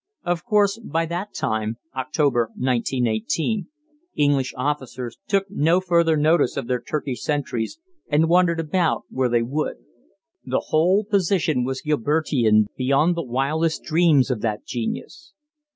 Of course by that time, October 1918, English officers took no further notice of their Turkish sentries and wandered about where they would. The whole position was Gilbertian beyond the wildest dreams of that genius.